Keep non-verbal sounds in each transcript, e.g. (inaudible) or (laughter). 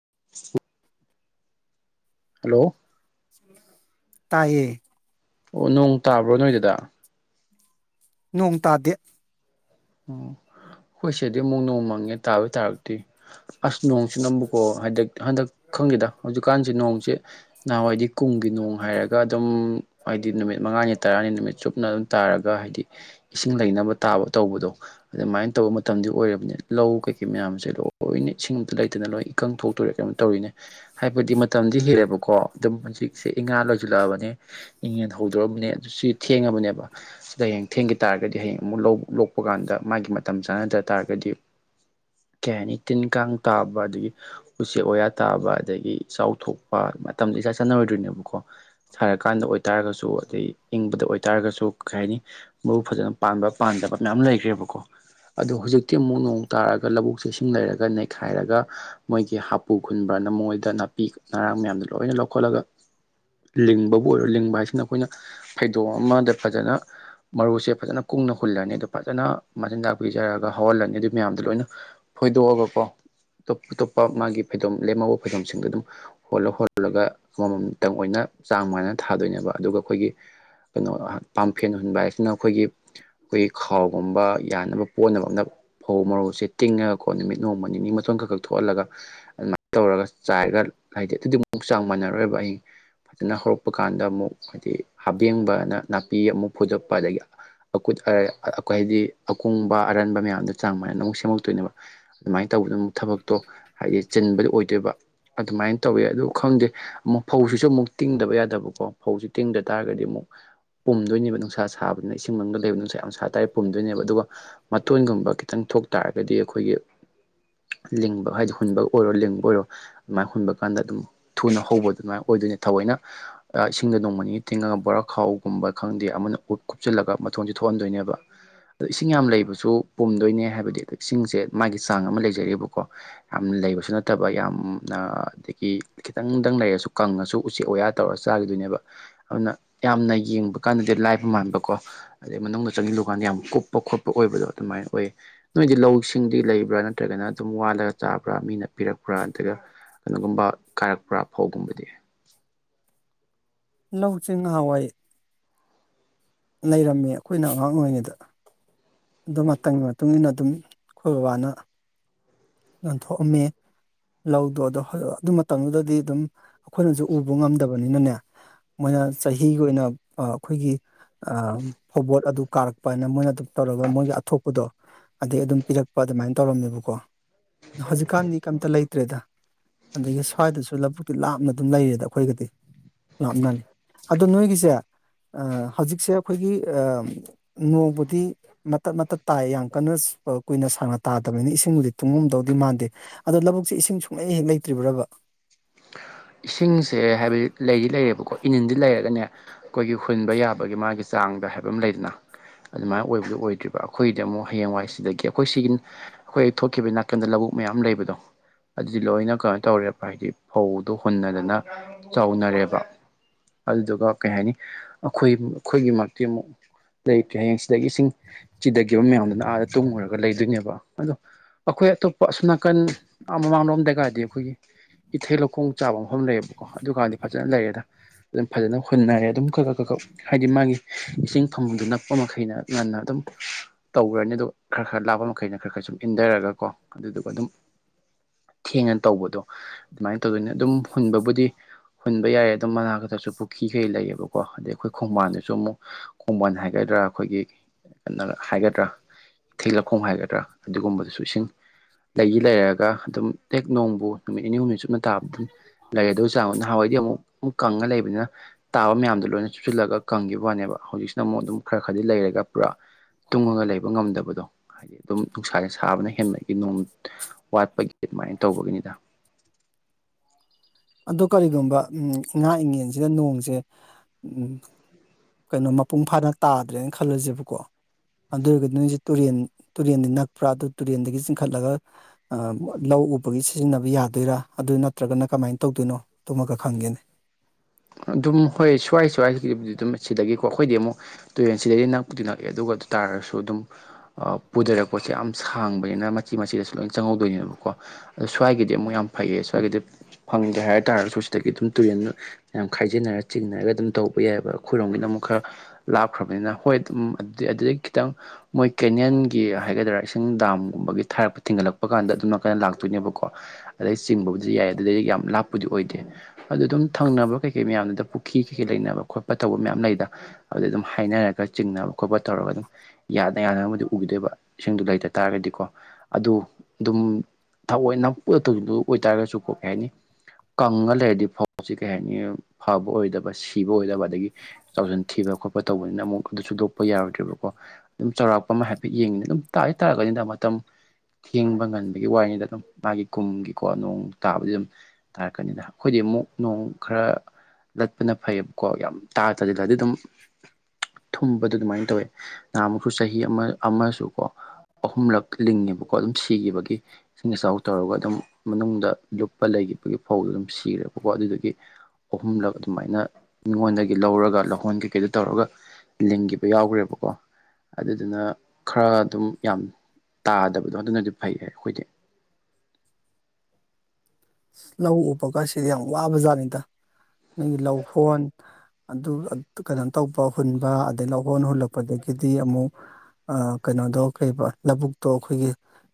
(unintelligible) hello ꯇꯌꯦ ꯑꯣ ꯅꯣꯡ ꯇꯥꯕ꯭ꯔꯣ ꯅꯣꯏꯗꯨꯗ ꯅꯣꯡ ꯇꯥꯗꯦ ꯑꯣ ꯍꯈꯣꯏ ꯁꯤꯗꯤ ꯑꯃꯨꯛ ꯅꯣꯡ ꯃꯪꯉꯦ ꯇꯥꯕ ꯇꯥꯔꯗꯤ ꯑꯁ ꯅꯣꯡꯁꯤ ꯅꯕꯨꯀꯣ ꯍꯟꯗꯛ ꯍꯟꯗꯛ ꯈꯪꯒꯦꯗ ꯍꯧꯖꯤꯛꯀꯥꯟꯁꯦ ꯅꯣꯡꯁꯦ ꯅꯍꯥꯟꯋꯥꯏꯗꯤ ꯀꯨꯝꯒꯤ ꯅꯣꯡ ꯍꯥꯏꯔꯒ ꯑꯗꯨꯝ ꯍꯥꯏꯗꯤ ꯅꯨꯃꯤꯠ ꯃꯉꯥꯅꯤ ꯇꯔꯥꯅꯤ ꯅꯨꯃꯤꯠ ꯆꯨꯞꯅ ꯑꯗꯨꯝ ꯇꯥꯔꯒ ꯍꯥꯏꯗꯤ ꯏꯁꯤꯡ ꯂꯩꯅꯕ ꯇꯥꯕ ꯇꯧꯕꯗꯣ ꯑꯗꯨꯃꯥꯏꯅ ꯇꯧꯕ ꯃꯇꯝꯗꯤ ꯑꯣꯏꯔꯕꯅꯤ ꯂꯧ ꯀꯩꯀꯩ ꯃꯌꯥꯝꯁꯦ ꯂꯣꯏꯅ ꯏꯁꯤꯡ ꯑꯝꯇ ꯂꯩꯇꯅ ꯂꯣꯏ ꯏꯀꯪ ꯊꯣꯛꯇ ꯀꯩꯅꯣ ꯇꯧꯔꯤꯅꯦ ꯍꯥꯏꯕꯗꯤ ꯃꯇꯝꯗꯤ ꯍꯦꯜꯂꯦꯕꯀꯣ ꯑꯗꯨꯝ ꯍꯧꯖꯤꯛꯁꯦ ꯏ ꯉꯥ ꯂꯣꯏꯁꯤꯜꯂꯛꯑꯕꯅꯤ ꯏꯪꯉꯦ ꯍꯧꯗꯣꯔꯑꯕꯅꯦ ꯑꯗꯨ ꯁꯤ ꯊꯦꯡꯉꯕꯅꯦꯕ ꯁꯤꯗ ꯍꯌꯦꯡ ꯊꯦꯡꯈꯤ ꯇꯥꯔꯒꯗꯤ ꯍꯌꯦꯡ ꯑꯃꯨꯛꯣꯛ ꯊꯣꯛꯄ ꯀꯥꯟꯗ ꯃꯥꯒꯤ ꯃꯇꯝ ꯆꯥꯅꯗ ꯇꯥꯔꯒꯗꯤ ꯀꯩ ꯍꯥꯏꯅꯤ ꯇꯤꯟ ꯀꯥꯡ ꯇꯥꯕ ꯑꯗꯒꯤ ꯎꯆꯦꯛ ꯋꯥꯌꯥ ꯇꯥꯕ ꯑꯗꯒꯤ ꯆꯥꯎꯊꯣꯛꯄ ꯃꯇꯝꯗ ꯏꯁꯥ ꯆꯠꯅꯔꯣꯏꯗꯣꯏꯅꯦꯕꯀꯣ ꯁꯥꯔꯀꯥꯟꯗ ꯑꯣꯏꯇꯥꯔꯒꯁꯨ ꯑꯗꯩ ꯏꯪꯕꯗ ꯑꯣꯏꯇꯥꯔꯒꯁꯨ ꯀꯩ ꯍꯥꯏꯅꯤ ꯃꯎ ꯐꯖꯅ ꯄꯥꯟꯕ ꯄꯥꯟꯗꯕ ꯃꯌꯥꯝ ꯂꯩꯈ꯭ꯔꯦꯕꯀꯣ ꯑꯗꯣ ꯍꯧꯖꯤꯛꯇꯤ ꯑꯃꯨꯛ ꯅꯣꯡ ꯇꯥꯔꯒ ꯂꯧꯕꯨꯛ ꯆꯁꯤꯡ ꯂꯩꯔꯒ ꯅꯩꯈꯥꯏꯔꯒ ꯃꯣꯏꯒꯤ ꯍꯥꯄꯨ ꯈꯨꯟꯕ꯭ꯔꯅ ꯃꯣꯏꯗ ꯅꯥꯄꯤ ꯉꯔꯥꯡ ꯃꯌꯥꯝꯗꯨꯣ ꯂꯣꯏꯅ ꯂꯧꯈꯠꯂꯒ ꯂꯤꯡꯕꯕꯨ ꯑꯣꯏꯔꯣ ꯂꯤꯡꯕ ꯍꯥꯏꯁꯤꯅ ꯑꯩꯈꯣꯏꯅ ꯐꯩꯗꯣꯝ ꯑꯃꯗ ꯐꯖꯅ ꯃꯔꯨꯁꯦ ꯐꯖꯅ ꯀꯨꯡꯅ ꯍꯨꯜꯂꯅꯤ ꯑ ꯐꯖꯅ ꯃꯆꯤꯟꯖꯥꯛ ꯄꯤꯖꯔꯒ ꯍꯧꯍꯜꯂꯅꯤ ꯑꯗꯨ ꯃꯌꯥꯝꯗꯣ ꯂꯣꯏꯅ ꯐꯣꯏꯗꯣꯛꯑꯒꯀꯣ ꯑꯇꯣꯞ ꯑꯇꯣꯞꯄ ꯃꯥꯒꯤ ꯐꯩꯗꯣꯝ ꯂꯦꯝꯍꯧꯕ ꯐꯩꯗꯣꯝꯁꯤꯡꯗꯣ ꯑꯗꯨꯝ ꯍꯣꯜꯂ ꯍꯣꯜꯂꯂꯒ ꯑꯃꯃꯝꯇꯪ ꯑꯣꯏꯅ ꯆꯥꯡ ꯃꯥꯟꯅꯅ ꯊꯥꯗꯣꯏꯅꯦꯕ ꯑꯗꯨꯒ ꯑꯩꯈꯣꯏꯒꯤ ꯀꯩꯅꯣ ꯄꯥꯝꯐꯦꯟ ꯍꯨꯟꯕ ꯍꯥꯏꯁꯤꯅ ꯑꯩꯈꯣꯏꯒꯤ ꯑꯩꯈꯣꯏꯒꯤ ꯈꯥꯎꯒꯨꯝꯕ ꯌꯥꯅꯕ ꯄꯣꯠꯅꯕꯅ ꯐꯧ ꯃꯔꯨꯁꯦ ꯇꯤꯡꯉꯒꯀꯣ ꯅꯨꯃꯤꯠ ꯅꯣꯡꯃ ꯅꯤꯅꯤ ꯃꯇꯨꯡ ꯈꯛꯛꯇꯛ ꯊꯣꯛꯦ ꯑꯣꯣꯠꯂꯒ ꯑꯗꯨꯃꯥꯏꯅ ꯇꯧꯔꯒ ꯆꯥꯏꯔꯒ ꯂꯩꯇꯦ ꯑꯗꯨꯗꯤ ꯑꯃꯨꯛ ꯆꯥꯡ ꯃꯥꯟꯅꯔꯣꯏꯕ ꯑꯍꯤꯡ ꯐꯖꯅ ꯍꯧꯔꯛꯄ ꯀꯥꯟꯗ ꯑꯃꯨꯛ ꯍꯥꯏꯗꯤ ꯍꯥꯕꯦꯡꯕꯅ ꯅꯥꯄꯤ ꯑꯃꯨꯛ ꯐꯨꯗꯠꯄ ꯑꯗꯒꯤ ꯀꯨꯠ ꯑꯔ ꯑꯩꯣꯏ ꯍꯥꯏꯗꯤ ꯑꯀꯣꯡꯕ ꯑꯔꯟꯕ ꯃꯌꯥꯝꯗꯣ ꯆꯥꯡ ꯃꯥꯟꯅꯅ ꯑꯃꯨꯛ ꯁꯦꯝꯃꯛꯇꯣꯏꯅꯦꯕ ꯑꯗꯨꯃꯥꯏꯅ ꯇꯧꯕꯗꯅ ꯑꯃꯨꯛ ꯊꯕꯛꯇꯣ ꯍꯥꯏꯗꯤ ꯆꯤꯟꯕꯗꯤ ꯑꯣꯏꯗꯣꯏꯕ ꯑꯗꯨꯃꯥꯏꯅ ꯇꯧꯋꯤ ꯑꯗꯨ ꯈꯪꯗꯦ ꯑꯃꯨꯛ ꯐꯧꯁꯤꯁꯨ ꯑꯃꯨꯛ ꯇꯤꯡꯗꯕ ꯌꯥꯗꯕꯀꯣ ꯐꯧꯁꯤ ꯇꯤꯡꯗ ꯇꯥꯔꯒꯗꯤ ꯑꯃꯨꯛ ꯄꯨꯝꯗꯣꯏꯅꯦꯕ ꯅꯨꯡꯁꯥ ꯁꯥꯕꯅꯤꯅ ꯏꯁꯤꯡ ꯃꯅꯨꯡꯗ ꯂꯩꯕ ꯅꯨꯡꯁꯥ ꯌꯥꯝꯁꯥ ꯇꯥꯔꯦ ꯄꯨꯝꯗꯣꯏꯅꯦꯕ ꯑꯗꯨꯒ ꯃꯇꯣꯟꯒꯨꯝꯕ ꯈꯤꯇꯪ ꯊꯣꯛꯇꯥꯔꯒꯗꯤ ꯑꯩꯈꯣꯏꯒꯤ ꯂꯤꯡꯕ ꯍꯥꯏꯗꯤ ꯍꯨꯟꯕ ꯑꯣꯏꯔꯣ ꯂꯤꯡꯕ ꯑꯣꯏꯔꯣ ꯑꯗꯨꯃꯥꯏꯅ ꯍꯨꯟꯕ ꯀꯥꯟꯗ ꯑꯗꯨꯝ ꯊꯨꯅ ꯍꯧꯕ ꯑꯗꯨꯃꯥꯏꯅ ꯑꯣꯏꯗꯣꯏꯅꯤ ꯊꯑꯣꯏꯅ ꯏꯁꯤꯡꯗ ꯅꯣꯡꯃ ꯅꯤꯒꯤ ꯇꯤꯡꯉꯒ ꯣꯔꯛ ꯆꯈꯥꯎꯒꯨꯝꯕ ꯈꯪꯗꯦ ꯑꯃꯅ ꯎꯠ ꯀꯨꯞꯁꯤꯜꯂꯒ ꯃꯊꯣꯟꯁꯦ ꯊꯣꯛꯍꯟꯗꯣꯏꯅꯦꯕ ꯑꯗꯣ ꯏꯁꯤꯡ ꯌꯥꯝ ꯂꯩꯕꯁꯨ ꯄꯨꯝꯗꯣꯏꯅꯦ ꯍꯥꯏꯕꯗꯤ ꯑꯗꯣ ꯏꯁꯤꯡꯁꯦ ꯃꯥꯒꯤ ꯆꯥꯡ ꯑꯃ ꯂꯩꯖꯕꯀꯣ ꯌꯥꯝꯅ ꯂꯩꯕ ꯀꯩꯁꯨ ꯅꯠꯇꯕ ꯌꯥꯝꯅ ꯑꯗꯒꯤ ꯈꯤꯇꯪꯗꯪ ꯂꯩꯔꯁꯨ ꯀꯪꯉꯁꯨ ꯎꯆꯦꯛ ꯑꯣꯌꯥ ꯇꯧꯔ ꯆꯥꯈꯤꯗꯣꯏꯅꯦꯕ ꯑꯗꯨꯅ ꯌꯥꯝꯅ ꯌꯦꯡꯕ ꯀꯥꯟꯗꯗꯤ ꯂꯥꯏꯕ ꯃꯥꯟꯕ ꯀꯣ ꯑꯗꯨꯗꯩ ꯃꯅꯨꯡꯗ ꯆꯪ ꯂꯨ ꯥꯟꯗ ꯌꯥꯝ ꯀꯨꯞꯄ ꯈꯣꯠꯄ ꯑꯣꯏꯕꯗꯣ ꯑꯗꯨꯃꯥꯏꯅ ꯑꯣꯏꯌꯦ ꯅꯣꯏꯗꯤ ꯂꯧꯁꯤꯡꯗꯤ ꯂꯩꯕ꯭ꯔꯥ ꯅꯠꯇ꯭ꯔꯒꯅ ꯑꯗꯨꯝ ꯋꯥꯠꯂꯒ ꯇꯥꯕ꯭ꯔꯥ ꯃꯤꯅ ꯄꯤꯔꯛꯄ꯭ꯔꯥ ꯅꯠꯇꯒ ꯀꯩꯅꯣꯒꯨꯝꯕ ꯀꯥꯔꯛꯄ꯭ꯔꯥ ꯐꯧꯒꯨꯝꯕꯗꯤ ꯂꯧꯁꯤꯡ ꯉꯍꯥꯟꯋꯥꯏ ꯂꯩꯔꯝꯃꯤ ꯑꯩꯈꯣꯏꯅ ꯑꯉꯥꯡ ꯑꯣꯏꯔꯤꯉꯩꯗ ꯑꯗꯨ ꯃꯇꯝꯒꯤ ꯃꯇꯨꯡ ꯏ ꯃꯇꯨꯡꯏꯟꯅ ꯑꯗꯨꯝ ꯑꯩꯈꯣꯏ ꯕꯕꯥꯅ ꯉꯟꯊꯣꯛꯑꯝꯃꯤ ꯂꯧꯗꯣ ꯑꯗꯣ ꯑꯗꯨ ꯃꯇꯝꯗꯨꯗꯗꯤ ꯑꯗꯨꯝ ꯑꯩꯈꯣꯏꯅꯁꯨ ꯎꯕ ꯉꯝꯗꯕꯅꯤꯅꯅꯦ ꯃꯣꯏꯅ ꯆꯍꯤꯒꯤ ꯑꯣꯏꯅ ꯑꯩꯈꯣꯏꯒꯤ ꯐꯧꯕꯣꯠ ꯑꯗꯨ ꯀꯥꯔꯛꯄ ꯍꯥꯏꯅ ꯃꯣꯏꯅ ꯑꯗꯨꯝ ꯇꯧꯔꯒ ꯃꯣꯏꯒꯤ ꯑꯊꯣꯄꯗꯣ ꯑꯗꯩ ꯑꯗꯨꯝ ꯄꯤꯔꯛꯄ ꯑꯗꯨꯃꯥꯏꯅ ꯇꯧꯔꯝꯅꯦꯕꯀꯣ ꯍꯧꯖꯤꯛꯀꯥꯟꯅꯤ ꯀꯝꯇ ꯂꯩ ꯐꯠꯇ꯭ꯔꯦꯗ ꯑꯗꯒꯤ ꯁ꯭ꯋꯥꯏꯗꯁꯨ ꯂꯕꯨꯛꯇꯤ ꯂꯥꯞꯅ ꯑꯗꯨꯝ ꯂꯩꯔꯦꯗ ꯑꯩꯈꯣꯏꯒꯗꯤ ꯂꯞꯅꯅꯤ ꯑꯗꯣ ꯅꯣꯏꯒꯤꯁꯦ ꯍꯧꯖꯤꯛꯁꯦ ꯑꯩꯈꯣꯏꯒꯤ ꯅꯣꯡꯃꯗꯤ ꯃꯇꯠ ꯃꯇꯠ ꯇꯥꯏ ꯌꯥꯝ ꯀꯟꯅ ꯀꯨꯏꯅ ꯁꯥꯡꯅ ꯇꯥꯗꯕꯅꯤꯅ ꯏꯁꯤꯡꯕꯨꯗꯤ ꯇꯨꯡꯉꯝꯗꯧꯗꯤ ꯃꯥꯟꯗꯦ ꯑꯗꯣ ꯂꯧꯕꯛꯁꯦ ꯏꯁꯤꯡ ꯁꯨꯡꯂꯩ ꯍꯦꯛ ꯂꯩꯇ꯭ꯔꯤꯕ꯭ꯔꯥ ꯏꯁꯤꯡꯁꯦ ꯍꯥꯏꯕꯗꯤ ꯂꯩꯗꯤ ꯂꯩꯌꯦꯦꯕꯀ ꯀꯣ ꯏꯅꯤꯟꯁꯤ ꯂꯩꯔꯒꯅꯦ ꯑꯩꯈꯣꯏꯒꯤ ꯍꯨꯟꯕ ꯌꯥꯕꯒꯤ ꯃꯥꯒꯤ ꯆꯥꯡꯗ ꯍꯥꯏꯕ ꯑꯃ ꯂꯩꯗꯅ ꯑꯗꯨꯃꯥꯏꯅ ꯑꯣꯏꯕꯗꯨ ꯑꯣꯏꯗ꯭ꯔꯤꯕ ꯑꯩꯈꯣꯏꯗꯤ ꯑꯃꯨꯛ ꯍꯌꯦꯡꯋꯥꯏ ꯁꯤꯗꯒꯤ ꯑꯩꯈꯣꯏ ꯁꯤꯒꯤ ꯑꯩꯈꯣꯏ ꯊꯣꯛꯈꯤꯕꯒꯤ ꯅꯥꯀꯟꯗ ꯂꯧꯕꯨ ꯃꯌꯥꯝ ꯂꯩꯕꯗꯣ ꯑꯗꯨꯗꯤ ꯂꯣꯏꯅ ꯀꯃꯥꯏ ꯇꯧꯔꯦ ꯍꯥꯏꯗꯤ ꯐꯧ ꯑꯗꯨ ꯍꯨꯟꯅꯗꯅ ꯆꯥꯎꯅꯔꯦꯕ ꯑꯗꯨꯗꯨꯒ ꯀꯩ ꯍꯥꯏꯅꯤ ꯑꯩꯈꯣꯏ ꯑꯩꯈꯣꯏꯒꯤꯃꯛꯇꯤ ꯑꯃꯨꯛ ꯂꯩꯦ ꯍꯌꯦꯡ ꯁꯤꯗꯒꯤ ꯏꯁꯤꯡ ꯆꯤꯊꯈꯤꯕ ꯃꯌꯥꯝꯗꯨꯅ ꯑꯥꯗ ꯇꯨꯡꯉꯨꯔꯒ ꯂꯩꯗꯣꯏꯅꯦꯕ ꯑꯗꯣ ꯑꯩꯈꯣꯏ ꯑꯇꯣꯞꯄ ꯑꯁꯣꯝ ꯅꯥꯀꯟ ꯑꯃꯃꯥꯡꯂꯣꯝꯗ ꯀꯗꯤ ꯑꯩꯈꯣꯏꯒꯤ ꯏꯊꯩ ꯂꯧꯈꯣꯡ ꯆꯥꯕ ꯃꯐꯝ ꯂꯩꯌꯦꯕꯀꯣ ꯑꯗꯨꯀꯥꯟꯗꯤ ꯐꯖꯅ ꯂꯩꯔꯦꯗ ꯑꯗꯨꯝ ꯐꯖꯅ ꯍꯨꯟꯅꯔꯦ ꯑꯗꯨꯝ ꯈꯈꯛ ꯈꯀꯛ ꯍꯥꯏꯗꯤ ꯃꯥꯒꯤ ꯏꯁꯤꯡ ꯐꯪꯐꯝꯗꯨ ꯅꯞꯄ ꯃꯈꯩꯅ ꯉꯟꯅ ꯑꯗꯨꯝ ꯇꯧꯈ꯭ꯔꯅꯤ ꯑꯗꯨ ꯈꯔ ꯈꯔ ꯂꯥꯞꯄ ꯃꯈꯩꯅ ꯈꯔ ꯈꯔ ꯁꯨꯝ ꯏꯟꯊꯔꯒꯀꯣ ꯑꯗꯨꯗꯨꯒ ꯑꯗꯨꯝ ꯊꯦꯡꯅ ꯇꯧꯕꯗꯣ ꯑꯗꯨꯃꯥꯏꯅ ꯇꯧꯗꯣꯏꯅꯦ ꯑꯗꯨꯝ ꯍꯨꯟꯕꯕꯨꯗꯤ ꯍꯨꯟꯕ ꯌꯥꯏꯦ ꯑꯗꯨꯝ ꯃꯅꯥ ꯈꯛꯇꯁꯨ ꯄꯨꯈ꯭ꯔꯤꯈꯩ ꯂꯩꯌꯦꯕꯀꯣ ꯑꯗꯩ ꯑꯩꯈꯣꯏ ꯈꯣꯡꯕꯥꯟꯗꯁꯨ ꯑꯃꯨꯛ ꯈꯣꯡꯕꯥꯟ ꯍꯥꯏꯒ ꯗ꯭ꯔꯥ ꯑꯩꯈꯣꯏꯒꯤ ꯀ ꯍꯥꯏꯒꯗ꯭ꯔꯥ ꯊꯤ ꯂꯧꯈꯣꯡ ꯍꯥꯏꯒꯗ꯭ꯔꯥ ꯑꯗꯨꯒꯨꯝꯕꯗꯨꯁꯨ ꯏꯁꯤꯡ ꯂꯩꯒꯤ ꯂꯩꯔꯒ ꯑꯗꯨꯝ ꯍꯦꯛ ꯅꯣꯡꯕꯨ ꯅꯨꯃꯤꯠ ꯅꯤꯅꯤ ꯍꯨꯝꯅꯤ ꯆꯨꯞꯅ ꯇꯥꯕ ꯑꯗꯨꯝ ꯂꯩꯗ ꯑꯣꯏ ꯆꯥ ꯅꯍꯥꯟꯋꯥꯏꯗꯤ ꯑꯃꯨꯛ ꯑꯃꯨꯛ ꯀꯪꯉ ꯂꯩꯕꯅꯤꯅ ꯇꯥꯕ ꯃꯌꯥꯝꯗꯣ ꯂꯣꯏꯅ ꯆꯨꯞꯁꯤꯜꯂꯒ ꯀꯪꯈꯤꯕ ꯋꯥꯅꯦꯕ ꯍꯧꯖꯤꯛꯁꯤꯅ ꯑꯃꯨꯛ ꯑꯗꯨꯝ ꯈꯔ ꯈꯔꯗꯤ ꯂꯩꯔꯒ ꯄꯨ꯭ꯔꯥ ꯇꯨꯡꯉꯒ ꯂꯩꯕ ꯉꯝꯗꯕꯗꯣ ꯍꯥꯏꯗꯤ ꯑꯗꯨꯝ ꯅꯨꯡꯁꯥꯅ ꯁꯥꯕꯅ ꯍꯦꯟꯕꯒꯤ ꯅꯣꯡ ꯋꯥꯠꯄꯒꯤ ꯁꯨꯃꯥꯏꯅ ꯇꯧꯕꯒꯤꯅꯤꯗ ꯑꯗ ꯀꯔꯤꯒꯨꯝꯕ ꯉꯍꯥ ꯏꯉꯦꯟꯁꯤꯗ ꯅꯣꯡꯁꯦ ꯎ ꯀꯩꯅꯣ ꯃꯄꯨꯡ ꯐꯥꯅ ꯇꯥꯗ꯭ꯔꯦꯅ ꯈꯜꯂꯁꯦꯕꯀꯣ ꯑꯗꯨ ꯑꯣꯏꯔꯒꯗꯤ ꯅꯁ ꯇꯨꯔꯦꯟ ꯇꯨꯔꯦꯟꯗ ꯅꯛꯄ꯭ꯔꯥ ꯑꯗꯨ ꯇꯨꯔꯦꯟꯗꯒꯤ ꯆꯤꯡꯈꯠꯂꯒ ꯂꯧ ꯎꯕꯒꯤ ꯁꯤꯖꯤꯟꯅꯕ ꯌꯥ ꯌꯥꯗꯣꯏꯔꯥ ꯑꯗꯨ ꯅꯠꯇ꯭ꯔꯒꯅ ꯀꯃꯥꯏꯅ ꯇꯧꯗꯣꯏꯅꯣ ꯑꯗꯨꯃꯒ ꯈꯪꯒꯦꯅꯤ ꯑꯗꯨꯝ ꯍꯣꯏ ꯁ꯭ꯋꯥꯏ ꯁ꯭ꯋꯥꯏꯗꯤ ꯑꯗꯨꯝ ꯁꯤꯗꯒꯤ ꯀꯣ ꯑꯩꯈꯣꯏꯗꯤ ꯑꯃꯨꯛ ꯇꯨꯔꯦꯟꯁꯤꯗꯗꯤ ꯅꯛꯄꯗꯤ ꯅꯛꯑꯦ ꯑꯗꯨꯒ ꯑꯗꯨ ꯇꯥꯔꯁꯨ ꯑꯗꯨꯝ ꯄꯨꯊꯔꯛꯄꯁꯦ ꯌꯥꯝ ꯆ ꯊꯥꯡꯕꯅꯤꯅ ꯃꯆꯤ ꯃꯆꯤꯗꯁꯨ ꯂꯣꯏꯅ ꯆꯪꯍꯧꯗꯣꯏꯅꯦꯕꯀꯣ ꯑꯗꯣ ꯁ꯭ꯋꯥꯏꯒꯤꯗꯤ ꯑꯃꯨꯛ ꯌꯥꯝ ꯐꯩꯌꯦ ꯁ꯭ꯋꯥꯏꯒꯤꯗꯤ ꯐꯪ ꯈ ꯍꯥꯏꯔ ꯇꯥꯔꯁꯨ ꯁꯤꯗꯒꯤ ꯑꯗꯨꯝ ꯇꯨꯔꯦꯟ ꯌꯥꯝ ꯈꯥꯏꯖꯤꯟꯅꯔꯒ ꯆꯤꯡꯅꯔꯒ ꯑꯗꯨꯝ ꯇꯧꯕ ꯌꯥꯏꯑꯕ ꯑꯩꯈꯣꯏꯔꯣꯝꯒꯤꯗ ꯑꯃꯨꯛ ꯈꯔ ꯂꯥꯞꯈ꯭ꯔꯕꯅꯤꯅ ꯍꯣꯏ ꯑꯗꯨꯝ ꯑꯗꯨꯗꯒꯤ ꯈꯤꯇꯪ ꯃꯣꯏ ꯀꯦꯅꯦꯜꯒꯤ ꯍꯥꯏꯒꯗ꯭ꯔꯔꯥ ꯏꯁꯤꯡ ꯗꯥꯝꯒꯨꯝꯕꯒꯤ ꯊꯥꯔꯛꯄ ꯊꯤꯡꯒꯠꯂꯛꯄ ꯀꯥꯟꯗ ꯑꯗꯨꯝ ꯂꯥꯛꯇꯣꯏꯅꯦꯕꯀꯣ ꯑꯗꯩ ꯆꯤꯡꯕꯕꯨꯗꯤ ꯌꯥꯏ ꯑꯗꯨꯗꯩ ꯌꯥꯝ ꯂꯥꯞꯄꯗꯤ ꯑꯣꯏꯗꯦ ꯑꯗꯨ ꯑꯗꯨꯝ ꯊꯪꯅꯕ ꯀꯩ ꯀꯩ ꯃꯌꯥꯝꯗꯨꯗ ꯄꯨꯈ꯭ꯔꯤ ꯀꯩꯀꯩ ꯂꯩꯅꯕ ꯈꯣꯠꯄ ꯇꯧꯕ ꯃꯌꯥꯝ ꯂꯩꯗ ꯑꯗꯨꯗ ꯑꯗꯨꯝ ꯍꯥꯏꯅꯔꯒ ꯆꯤꯡꯅꯕ ꯈꯣꯠꯄ ꯇꯧꯔꯛ ꯝ ꯌꯥꯅ ꯌꯥꯗꯅꯕ ꯎꯈꯤꯗꯣꯏꯕ ꯏꯁꯤꯡꯗ ꯂꯩꯇ ꯇꯥꯔꯒꯗꯤꯀꯣ ꯑꯗꯨ ꯑꯗꯨꯝ ꯊꯑꯣꯏ ꯑꯣꯏꯇꯥꯔꯒꯁꯨꯀꯣ ꯀꯩ ꯍꯥꯏꯅꯤ ꯀꯪꯉ ꯂꯩꯔꯗꯤ ꯐꯧꯁꯤ ꯀꯩ ꯍꯥꯏꯅꯤ ꯐꯕ ꯑꯣꯏꯗꯕ ꯁꯤꯕ ꯑꯣꯏꯗꯕ ꯑꯗꯒꯤ ꯆꯥꯎꯁꯤꯟ ꯊꯤꯕ ꯈꯣꯠꯄ ꯇꯧꯕꯅꯤꯅ ꯑꯃꯨꯛ ꯑꯗꯨ ꯁꯨꯗꯣꯛꯄ ꯌꯥꯔꯣꯏꯗ꯭ꯔꯔꯤꯕꯕꯀꯣ ꯑꯗꯨꯝ ꯆꯥꯎꯔꯥꯛꯄ ꯑꯃ ꯍꯥꯏꯐꯦꯠ ꯌꯦꯡꯉꯤꯅꯦ ꯑꯗꯨꯝ ꯇꯥ ꯇꯥꯔꯛꯀꯅꯤꯗ ꯃꯇꯝ ꯊꯦꯡꯕ ꯉꯟꯕꯒꯤ ꯋꯥꯔꯤꯅꯤꯗ ꯑꯗꯨꯝ ꯃꯥꯒꯤ ꯀꯨꯝꯒꯤꯀꯣ ꯅꯣꯡ ꯇꯥꯕꯗꯤ ꯑꯗꯨꯝ ꯇꯥꯔꯛꯀꯅꯤꯗ ꯑꯩꯈꯣꯏꯗꯤ ꯑꯃꯨꯛ ꯅꯣꯡ ꯈꯔ ꯂꯠꯄꯅ ꯐꯩꯌꯦꯕꯀꯣ ꯌꯥꯝ ꯇꯥꯗꯗꯤꯅ ꯑꯗꯨ ꯑꯗꯨꯝ ꯊꯨꯝꯕꯗ ꯑꯗꯨꯃꯥꯏꯅ ꯇꯧꯋꯦ ꯅꯍꯥꯟꯃꯨꯛꯁꯨ ꯆꯍꯤ ꯑꯃ ꯑꯃꯁꯨ ꯀꯣ ꯑꯍꯨꯝꯂꯛ ꯂꯤꯡꯉꯦꯕꯀꯣ ꯑꯗꯨꯝ ꯁꯤꯈꯤꯕꯒꯤ ꯏꯁꯤꯡ ꯏꯆꯥꯎ ꯇꯧꯔꯒ ꯑꯗꯨꯝ ꯃꯅꯨꯡꯗ ꯂꯨꯞꯄ ꯂꯩ ꯠꯄꯒꯤ ꯐꯥꯎꯗ ꯑꯗꯨꯝ ꯁꯤꯈ꯭ꯔꯦꯕꯀꯣ ꯑꯗꯨꯒꯤ ꯑꯍꯨꯝꯂꯛ ꯑꯗꯨꯃꯥꯏꯅ ꯃꯤꯉꯣꯟꯗꯒꯤ ꯂꯧꯔꯒ ꯂꯧꯍꯣꯟ ꯀꯩꯀꯩꯗ ꯇꯧꯔꯒ ꯂꯤꯡꯈꯤꯕ ꯌꯥꯎꯈ꯭ꯔꯦꯕꯀꯣ ꯑꯗꯨꯗꯨꯅ ꯈꯔ ꯑꯗꯨꯝ ꯌꯥꯝ ꯇꯥꯗꯕꯗꯣ ꯑꯗꯨꯅꯗꯤ ꯐꯩ ꯍꯥꯏ ꯑꯩꯈꯣꯏꯗꯤ ꯂꯧꯎ ꯎ ꯄ ꯀꯁꯤꯗꯤ ꯌꯥꯝ ꯋꯥꯕ ꯖꯥꯠꯅꯤꯗ ꯅꯣꯏꯒꯤ ꯂꯧꯍꯣꯟ ꯑꯗꯨ ꯀꯩꯅꯣ ꯇꯧꯕ ꯍꯨꯟꯕ ꯑꯗꯩ ꯂꯧꯈꯣꯟ ꯍꯨꯜꯂꯛꯄ ꯑꯗꯒꯤꯗꯤ ꯑꯃꯨꯛ ꯀꯩꯅꯣꯗꯣ ꯀ ꯂꯧꯕꯨꯛꯇꯣ ꯑꯩꯈꯣꯏꯒꯤ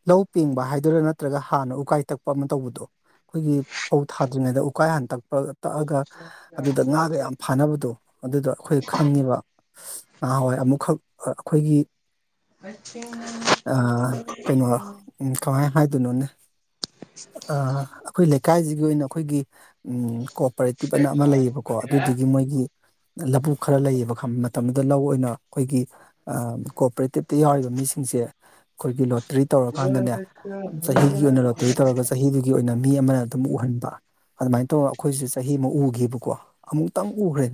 ꯂꯧ ꯄꯦꯡꯕ ꯍꯥꯏꯗꯣꯏꯔꯥ ꯅꯠꯇ꯭ꯔꯒ ꯍꯥꯟꯅ ꯎꯀꯥꯏ ꯊꯛꯄ ꯑꯃ ꯇꯧꯕꯗꯣ ꯑꯩꯈꯣꯏꯒꯤ ꯐꯧ ꯊꯥꯗ꯭ꯔꯤꯉꯩꯗ ꯎꯀꯥꯏ ꯍꯥꯟ ꯇꯛꯄꯒ ꯇꯛꯑꯒ ꯑꯗꯨꯗ ꯉꯥꯒ ꯌꯥꯝ ꯐꯥꯅꯕꯗꯣ ꯑꯗꯨꯗꯣ ꯑꯩꯈꯣꯏ ꯈꯪꯉꯤꯕ ꯅꯍꯥꯟꯋꯥꯏ ꯑꯃꯨꯛꯈꯛ ꯑꯩꯈꯣꯏꯒꯤ ꯑ ꯀꯩꯅꯣ ꯀꯃꯥꯏꯅ ꯍꯥꯏꯗꯣꯏꯅꯣꯅꯦ ꯑꯩꯈꯣꯏ ꯂꯩꯀꯥꯏꯁꯤꯒꯤ ꯑꯣꯏꯅ ꯑꯩꯈꯣꯏꯒꯤ ꯀꯣꯑꯣꯄꯔꯦꯇꯤꯞ ꯑꯅ ꯑꯃ ꯂꯩꯌꯦꯕꯀꯣ ꯑꯗꯨꯗꯒꯤ ꯃꯣꯏꯒꯤ ꯂꯧꯕꯨꯛ ꯈꯔ ꯂꯩꯌꯦꯕ ꯈ ꯃꯇꯝꯗꯨ ꯗ ꯂꯧ ꯑꯣꯏꯅ ꯑꯩꯈꯣꯏꯒꯤ ꯀꯣꯑꯣꯄꯔꯦꯇꯤꯞꯇ ꯌꯥꯎꯔꯤꯕ ꯃꯤꯁꯤꯡꯁꯦ ꯑꯩꯈꯣꯏꯒꯤ ꯂꯣꯇ꯭ꯔꯤ ꯇꯧꯔꯀꯥꯟꯗꯅꯦ ꯆꯍꯤꯒꯤ ꯑꯣꯏꯅ ꯂꯣꯇ꯭ꯔꯤ ꯇꯧꯔꯒ ꯆꯍꯤꯗꯨꯒꯤ ꯑꯣꯏꯅ ꯃꯤ ꯑꯃꯅ ꯑꯗꯨꯝ ꯎꯍꯟꯕ ꯑꯗꯨꯃꯥꯏꯅ ꯇꯧꯔꯒ ꯑꯩꯈꯣꯏꯁꯨ ꯆꯍꯤ ꯑꯃ ꯎꯒꯦꯕꯀꯣ ꯑꯃꯨꯛꯇꯪ ꯎꯈ꯭ꯔꯦ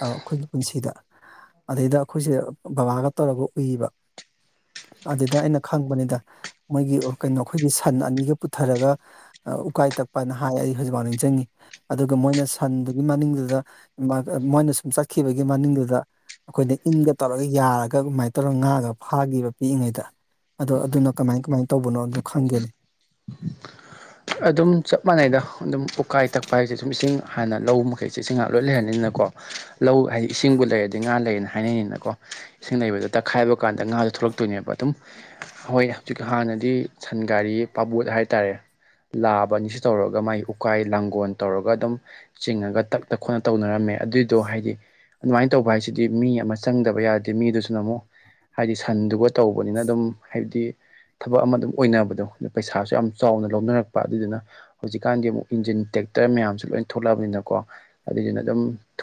ꯑꯩꯈꯣꯏꯒꯤ ꯄꯨꯟꯁꯤꯗꯥ ꯑꯗꯩꯗꯥ ꯑꯩꯈꯣꯏꯁꯦ ꯕꯕꯥꯒ ꯇꯧꯔꯒ ꯎꯏꯕ ꯑꯗꯨꯗ ꯑꯩꯅ ꯈꯪꯕꯅꯤꯗ ꯃꯣꯏꯒꯤ ꯀꯩꯅꯣ ꯑꯩꯈꯣꯏꯒꯤ ꯁꯟ ꯑꯅꯤꯗꯖ ꯄꯨꯊꯔꯒ ꯎꯀꯥꯏ ꯇꯛꯄꯅ ꯍꯥꯏ ꯑꯩ ꯍꯧꯖꯤꯛꯐꯥꯎ ꯅꯤꯡꯁꯤꯡꯉꯤ ꯑꯗꯨꯒ ꯃꯣꯏꯅ ꯁꯟ ꯑꯗꯨꯒꯤ ꯃꯅꯤꯡꯗꯨꯗ ꯃꯣꯏꯅ ꯁꯨꯝ ꯆꯠꯈꯤꯕꯒꯤ ꯃꯅꯤꯡꯗꯨꯗ ꯑꯩꯈꯣꯏꯗꯤ ꯏꯟꯒ ꯇꯧꯔꯒ ꯌꯥꯔꯒ ꯑꯗꯨꯃꯥꯏꯅ ꯇꯧꯔꯒ ꯉꯥꯒ ꯐꯥꯈꯤꯕ ꯄꯤꯛꯏꯉꯩꯗ ꯑꯗꯣ ꯑꯗꯨꯅ ꯀꯃꯥꯏ ꯀꯃꯥꯏꯅ ꯇꯧꯕꯅꯣꯗꯣ ꯈꯪꯒꯦꯅꯦ ꯑꯗꯨꯝ ꯆꯞ ꯃꯥꯟꯅꯩꯗ ꯑꯗꯨꯝ ꯎꯀꯥꯏ ꯇꯛꯄ ꯍꯥꯏꯁꯦ ꯑꯗꯨꯝ ꯏꯁꯤꯡ ꯍꯥꯟꯅ ꯂꯧ ꯃꯈꯩꯁꯤ ꯁꯤ ꯉꯍꯥꯛ ꯂꯣꯏ ꯂꯩꯔꯅꯤꯅꯀꯣ ꯂꯧ ꯍꯥꯏꯗꯤ ꯏꯁꯤꯡꯕꯨ ꯂꯩꯔꯗꯤ ꯉꯥ ꯂꯩꯔꯌꯦꯅ ꯍꯥꯏꯅꯩꯅꯤꯅꯀꯣ ꯏꯁꯤꯡ ꯅꯕꯗꯨ ꯇꯛꯈꯥꯏꯕ ꯀꯥꯟꯗ ꯉꯥꯁꯨ ꯊꯣꯛꯂꯛꯇꯣꯏꯅꯦꯕ ꯑꯗꯨꯝ ꯍꯣꯏ ꯍꯧꯖꯤꯛ ꯍꯥꯟꯅꯗꯤ ꯁꯟꯒꯥꯔꯤ ꯄꯥꯕꯣꯠ ꯍꯥꯏꯇꯥꯔꯦ ꯂꯥꯕꯅꯤꯁꯤ ꯇꯧꯔꯒ ꯃꯥꯥꯏ ꯎꯀꯥꯏ ꯂꯥꯡꯒꯣꯜ ꯇꯧꯔꯒ ꯑꯗꯨꯝ ꯆꯤꯡꯉꯒ ꯇꯛꯅ ꯈꯣꯠꯅ ꯇꯧꯅꯔꯝꯃꯦ ꯑꯗꯨꯏꯗꯣ ꯍꯥꯏꯗꯤ ꯑꯗꯨꯃꯥꯏꯅ ꯇꯧꯕ ꯍꯥꯏꯁꯤꯗꯤ ꯃꯤ ꯑꯃ ꯆꯪꯗꯕ ꯌꯥꯗꯦ ꯃꯤꯗꯨꯁꯨꯅ ꯑꯃꯨꯛ ꯍꯥꯏꯗꯤ ꯁꯟꯗꯨꯒ ꯇꯧꯕꯅꯤꯅ ꯑꯗꯨꯝ ꯍꯥꯏꯕꯗꯤ ꯊꯕꯛ ꯑꯃ ꯑꯗꯨꯝ ꯑꯣꯏꯅꯕꯗꯣ ꯑ ꯄꯩꯁꯥꯁꯨ ꯌꯥꯝ ꯆꯥꯎꯅ ꯂꯧꯅꯔꯛꯄ ꯑꯗꯨꯗꯨꯅ ꯍꯧꯖꯤꯛꯀꯥꯟꯗꯤ ꯑꯃꯨꯛ ꯏꯟꯖꯤꯟ ꯇ꯭ꯔꯦꯛꯇꯔ ꯃꯌꯥꯝꯁꯨ ꯂꯣꯏ ꯊꯣꯛꯂꯛꯑꯕꯅꯤꯅꯀꯣ ꯑꯗꯨꯏꯗꯨꯅ ꯑꯗꯨꯝ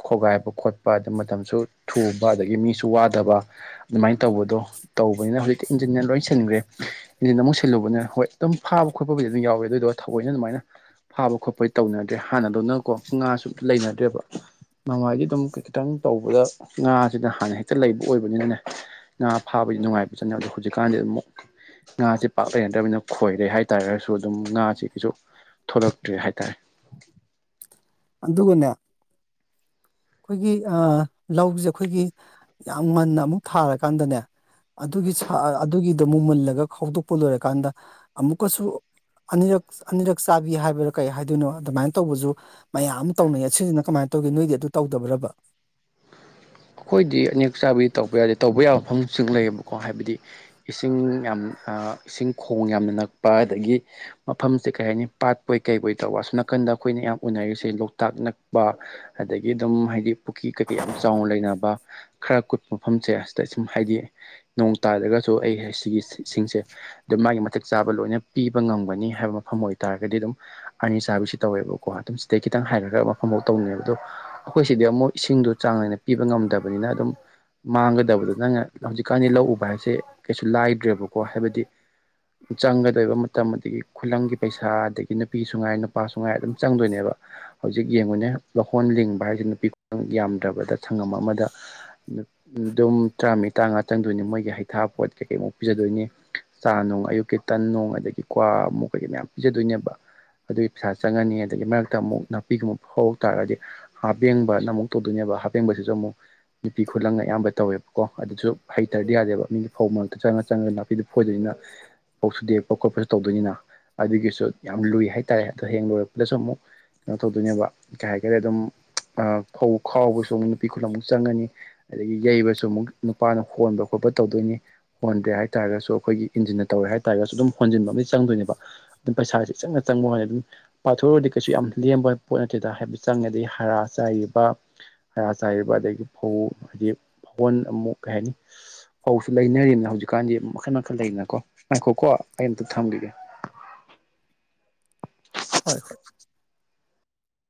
ꯈꯣꯒꯥꯏꯕ ꯈꯣꯠꯄ ꯑꯗ ꯃꯇꯝꯁꯨ ꯊꯨꯕ ꯑꯗꯒꯤ ꯃꯤꯁꯨ ꯋꯥꯗꯕ ꯑꯗꯨꯃꯥꯏꯅ ꯇꯧꯕꯗꯣ ꯇꯧꯕꯅꯤꯅ ꯍꯧꯖꯤꯛꯇꯤ ꯏꯟꯖꯤꯟꯅ ꯂꯣꯏ ꯁꯤꯟꯈ꯭ꯔꯦ ꯏꯟꯖꯤꯟ ꯑꯃꯨꯛ ꯁꯤꯜꯂꯨꯕꯅꯤꯅ ꯍꯣꯏ ꯑꯗꯨꯝ ꯐꯥꯕ ꯈꯣꯠꯄꯕꯨꯗꯤ ꯑꯗꯨꯝ ꯌꯥꯎꯋꯦ ꯑꯗꯨꯏꯗꯨꯒ ꯊꯑꯣꯏꯅ ꯑꯗꯨꯃꯥꯏꯅ ꯐꯥꯕ ꯈꯣꯠꯄ ꯇꯧꯅꯗ꯭ꯔꯦ ꯍꯥꯟꯅꯗꯧꯅꯀꯣ ꯉꯥꯁꯨ ꯂꯩꯅꯗ꯭ꯔꯦꯕ ꯅꯃꯥꯏꯗꯤ ꯑꯗꯨꯝ ꯈꯤꯇꯪ ꯇꯧꯕꯗ ꯉꯥꯁꯤꯗ ꯍꯥꯟꯅ ꯍꯦꯛꯇ ꯂꯩꯕ ꯑꯣꯏꯕꯅꯤꯅꯅꯦ ꯉꯥ ꯐꯥꯕ ꯑꯩꯈꯣꯏ ꯅꯨꯡꯉꯥꯏꯕ ꯆꯠꯅꯤ ꯑꯗꯣ ꯍꯧꯖꯤꯛꯀꯥꯟꯗꯤ ꯑꯗꯨꯝꯛ ꯉꯥꯁꯦ ꯄꯥꯛ ꯂꯩꯅꯗ꯭ꯔꯕꯅꯤꯅ ꯈꯣꯏꯔꯦ ꯍꯥꯏꯇꯥꯥꯔꯒꯁꯨ ꯑꯗꯨꯝ ꯉꯥꯁꯤꯒꯤꯁꯨ ꯊꯣꯛꯂꯛꯇ꯭ꯔꯦ ꯍꯥꯏꯇꯥꯔꯦ ꯑꯗꯨꯅ ꯑꯩꯈꯣꯏꯒꯤ ꯂꯧꯁꯦ ꯑꯩꯈꯣꯏꯒꯤ ꯌꯥꯝ ꯉꯟꯅ ꯑꯃꯨꯛ ꯊꯥꯔꯀꯥꯟꯗꯅꯦ ꯑꯗꯨꯒꯤ ꯑꯗꯨꯒꯤꯗ ꯃꯨꯃꯜꯂꯒ ꯈꯥꯎꯗꯣꯛꯄ ꯂꯣꯏꯔꯀꯥꯟꯗ ꯑꯃꯨꯛꯀꯁꯨ ꯑꯅꯤꯔꯛ ꯑꯅꯤꯔꯛ ꯆꯥꯕꯤ ꯍꯥꯏꯕꯗ ꯀꯩ ꯍꯥꯏꯗꯣꯏꯅꯣ ꯑꯗꯨꯃꯥꯏꯅ ꯇꯧꯕꯁꯨ ꯃꯌꯥꯝ ꯑꯃ ꯇꯧꯅꯩꯌꯦ ꯁꯤꯁꯤꯅ ꯀꯃꯥꯏ ꯇ ꯑꯗꯨꯒꯤ ꯅꯣꯏꯒꯤ ꯑꯗꯨ ꯇꯧꯗꯕ꯭ꯔꯕ ꯑꯩꯈꯣꯏꯗꯤ ꯑꯅꯦꯛ ꯆꯥꯕꯒꯤ ꯇꯧꯕ ꯌꯥꯗꯦ ꯇꯧꯕ ꯌꯥꯕ ꯃꯐꯝꯁꯤꯡ ꯂꯩꯌꯦꯕꯀꯣ ꯍꯥꯏꯕꯗꯤ ꯏꯁꯤꯡ ꯌꯥꯝ ꯏꯁꯤꯡ ꯈꯣꯡ ꯌꯥꯝꯅ ꯅꯛꯄ ꯑꯗꯒꯤ ꯃꯐꯝꯁꯦ ꯀꯩ ꯍꯥꯏꯅꯤ ꯄꯥꯠꯄꯣꯏ ꯀꯩꯕꯣꯏ ꯇꯧꯕ ꯑꯁꯨꯨꯝ ꯅ ꯅꯥꯀꯟꯗ ꯑꯩꯈꯣꯏꯅ ꯌꯥꯝ ꯎꯅꯔꯤꯁꯦ ꯂꯣꯛꯇꯥꯛ ꯅꯛꯄ ꯑꯗꯒꯤ ꯑꯗꯨꯝ ꯍꯥꯏꯗꯤ ꯄꯨꯈ꯭ꯔꯤ ꯀꯩꯀꯩ ꯌꯥꯝ ꯆꯥꯎꯅ ꯂꯩ ꯈꯔ ꯀꯨꯠꯄ ꯃꯐꯝꯁꯦ ꯑꯁꯤꯗ ꯁꯨꯝ ꯍꯥꯏꯗꯤ ꯅꯣꯡ ꯇꯥꯗ꯭ꯔꯒꯁꯨ ꯑꯩ ꯁꯤꯒꯤ ꯏꯁꯤꯡꯁꯦ ꯑꯗꯨꯝ ꯃꯥꯒꯤ ꯃꯇꯤꯛ ꯆꯥꯕ ꯂꯣꯏꯅ ꯄꯤꯕ ꯉꯝꯒꯅꯤ ꯍꯥꯏꯕ ꯃꯐꯝ ꯑꯣꯏꯇꯥꯥꯔꯒꯗꯤ ꯑꯗꯨꯝ ꯑꯅꯤ ꯆꯥꯕꯤꯁꯨ ꯇꯧꯋꯦꯕ ꯀꯣ ꯑꯗꯨ ꯁꯤꯗꯩ ꯈꯤꯇꯪ ꯍꯥꯏꯔꯒ ꯃꯐꯝꯐꯥꯎ ꯇꯧꯅꯕ ꯑꯗꯣ ꯑꯩꯈꯣꯏꯁꯤꯗꯤ ꯑꯃꯨꯛ ꯏꯁꯤꯡꯗꯣ ꯆꯥꯡꯅꯥꯏꯅ ꯉꯝꯗꯕꯅꯤꯅ ꯑꯗꯨꯝ ꯃꯥꯡꯒꯗꯕꯗ ꯅꯪꯅ ꯍꯧꯖꯤꯛꯀꯥꯟꯗꯤ ꯂꯧ ꯎꯕ ꯍꯥꯏꯁꯦ ꯀꯩꯁꯨ ꯂꯥꯏꯗ꯭ꯔꯦꯕꯀꯣ ꯍꯥꯏꯕꯗꯤ ꯆꯪꯒꯗꯣꯏꯕ ꯃꯇꯝ ꯑꯗꯒꯤ ꯈꯨꯂꯪꯒꯤ ꯄꯩꯁꯥ ꯑꯗꯒꯤ ꯅꯨꯄꯤꯁꯨ ꯉꯥꯏ ꯅꯨꯄꯥꯁꯨ ꯉꯥꯏ ꯑꯗꯨꯝ ꯆꯪꯗꯣꯏꯅꯦꯕ ꯍꯧꯖꯤꯛ ꯌꯦꯡꯉꯨꯅꯦ ꯂꯧꯍꯣꯟ ꯂꯤꯡꯕ ꯍꯥꯏꯁꯤ ꯅꯨꯄꯤ ꯈꯨꯪ ꯌꯥꯝꯗ꯭ꯔꯕꯗ ꯁꯪꯉꯝ ꯑꯃꯗ ꯑꯗꯨꯝ ꯇꯔꯥꯃꯠ ꯇꯔꯃꯉꯥ ꯆꯪꯗꯣꯏꯅꯤ ꯃꯣꯏꯒꯤ ꯍꯩꯊꯥ ꯄꯣꯠ ꯀꯩꯀꯩꯃꯨꯛ ꯄꯤꯖꯗꯣꯏꯅꯤ ꯆꯥ ꯅꯨꯡ ꯑꯌꯨꯛꯀꯤ ꯇꯟ ꯅꯨꯡ ꯑꯗꯒꯤ ꯀ꯭ꯋꯥ ꯑꯃꯨꯛ ꯀꯩꯀꯩ ꯃꯌꯥꯝ ꯄꯤꯖꯗꯣꯏꯅꯦꯕ ꯑꯗꯨꯒꯤ ꯄꯩꯁꯥ ꯆꯪꯉꯅꯤ ꯑꯗꯨꯗꯒꯤ ꯃꯔꯛꯇ ꯑꯃꯨꯛ ꯅꯥꯄꯤꯒꯨꯝꯕ ꯍꯧ ꯇꯥꯔꯗꯤ ꯍꯥꯞꯄꯦꯡꯕꯅ ꯑꯃꯨꯛ ꯇꯧꯗꯣꯏꯅꯦꯕ ꯑꯦꯡꯕꯁꯤꯁꯨ ꯑꯃꯨꯛ ꯅꯨꯄꯤ ꯈꯨꯠꯂꯪꯅ ꯑꯌꯥꯝꯕ ꯇꯧꯋꯦꯕꯀꯣ ꯑꯗꯨꯁꯨ ꯍꯩꯇ꯭ꯔꯗꯤ ꯌꯥꯗꯦꯕ ꯃꯤꯒꯤ ꯐꯧ ꯃꯔꯛꯇ ꯆ ꯅꯥꯄꯤꯗꯨ ꯐꯣꯏꯖꯩꯅ ꯄꯧꯁꯨꯨ ꯗꯦꯛꯄ ꯈꯣꯠꯄꯁꯨ ꯇꯧꯗꯣꯏꯅꯤꯅ ꯑꯗꯨꯒꯤꯁꯨ ꯌꯥꯝ ꯂꯨꯏ ꯍꯥꯏꯇꯥꯔꯦ ꯑꯗꯣ ꯍꯌꯦ ꯂꯣꯏꯨꯔꯛꯄꯗꯁꯨ ꯑꯃꯨꯛ ꯀꯩꯅꯣ ꯇꯧꯗꯣꯏꯅꯦꯕ ꯀꯩ ꯍꯥꯏꯒꯔꯦ ꯑꯗꯨꯝ ꯈꯥꯎꯕꯁꯨ ꯑꯃꯨꯛ ꯅꯨꯄꯤ ꯈꯨꯂ ꯑꯃꯨꯛ ꯆꯪꯉꯅꯤ ꯑꯗꯒꯤ ꯌꯩꯕꯁꯨ ꯑꯃꯨꯛ ꯅꯨꯄꯥꯅ ꯍꯣꯟꯕ ꯈꯣꯠꯄ ꯇꯧꯗꯣꯏꯅꯤ ꯍꯣꯟꯗ꯭ꯔ ꯍꯥꯏ ꯇꯥꯔꯒꯁꯨ ꯑꯩꯈꯣꯏꯒꯤ ꯏꯟꯖꯤꯟꯅ ꯇꯧꯦ ꯍꯥꯏꯇꯥꯔꯒꯁꯨ ꯑꯗꯨꯝ ꯍꯣꯟꯟꯕ ꯑꯃꯗꯤ ꯆꯪꯗꯣꯏꯅꯦꯕ ꯑꯗꯨꯝ ꯄꯩꯁꯥꯁꯤ ꯏ ꯆꯪꯅ ꯆꯪꯕ ꯋꯥ ꯄꯥꯊꯣꯛꯎꯨꯔꯗꯤ ꯀꯩꯁꯨ ꯌꯥꯝ ꯂꯦꯝꯕ ꯄꯣꯠ ꯅꯠꯇꯦꯗ ꯍꯥꯏꯕ ꯆꯪꯉꯦ ꯑꯗꯗꯒꯤ ꯍꯥꯔ ꯆꯥꯏꯔꯤꯕ ꯍꯔ ꯆꯥꯏꯔꯤꯕ ꯑꯗꯒꯤ ꯐꯧ ꯍꯥꯏꯗꯤ ꯐꯧꯒꯣꯟ ꯑꯃꯨꯛ ꯀꯩ ꯍꯥꯏꯅꯤ ꯍꯧꯁꯨ ꯂꯩꯅꯔꯤꯕꯅ ꯍꯧꯖꯤꯛꯀꯥꯟꯗꯤ ꯃꯈꯜ ꯃꯈꯜ ꯂꯩꯅꯀꯣ ꯉꯈꯣꯀꯣ ꯑꯩ ꯑꯝꯇ ꯊꯝꯕꯤꯒꯦ (inaudible) ꯍꯣꯏꯣꯏ